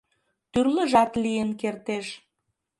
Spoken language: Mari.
Тӱрлыжат лийын кертеш.